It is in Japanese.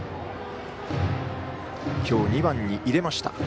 きょう２番に入れました。